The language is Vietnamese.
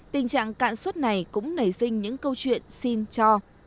tình trạng cạn suất này cũng nảy sinh những câu chuyện xin cho